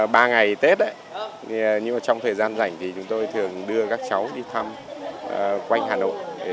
ba ngày tết trong thời gian rảnh chúng tôi thường đưa các cháu đi thăm quanh hà nội